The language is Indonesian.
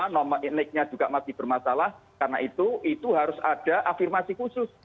nomor nicknya juga masih bermasalah karena itu itu harus ada afirmasi khusus